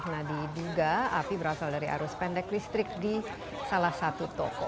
nah diduga api berasal dari arus pendek listrik di salah satu toko